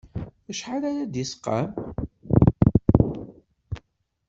Acḥal ara d-yesqam?